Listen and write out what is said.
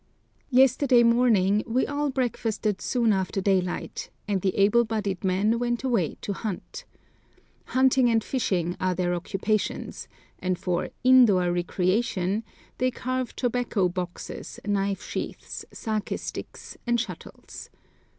Yesterday morning we all breakfasted soon after daylight, and the able bodied men went away to hunt. Hunting and fishing are their occupations, and for "indoor recreation" they carve tobacco boxes, knife sheaths, saké sticks, and shuttles.